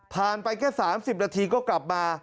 ไปแค่๓๐นาทีก็กลับมา